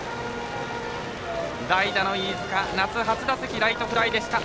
代打の飯塚、夏初打席ライトフライでした。